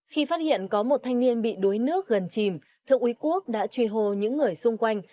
khi phát hiện có một thanh niên bị đuối nước gần chìm thượng úy quốc đã truy hồ những người xung quanh